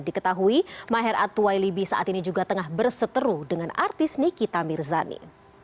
diketahui maher atuwailibi saat ini juga tengah berseteru dengan artis nikita mirzani